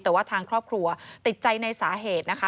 แต่ว่าทางครอบครัวติดใจในสาเหตุนะคะ